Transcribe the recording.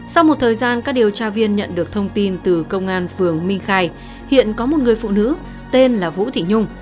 sau một thời gian các điều tra viên nhận được thông tin từ công an phường minh khai hiện có một người phụ nữ tên là vũ thị nhung